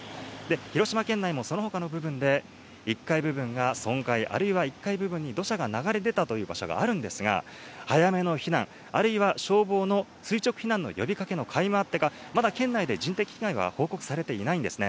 広島県内のそのほかの部分で１階部分が損壊、あるいは１階部分に土砂が流れ出たという場所があるんですが、早めの避難、あるいは消防の垂直避難の呼びかけのかいもあってか、まだ県内で人的被害は報告されていないんですね。